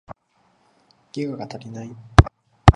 ギガが足りない